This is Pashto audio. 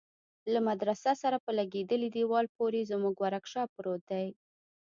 له مدرسه سره په لگېدلي دېوال پورې زموږ ورکشاپ پروت دى.